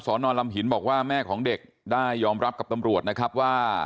นอนลำหินบอกว่าแม่ของเด็กได้ยอมรับกับตำรวจนะครับว่า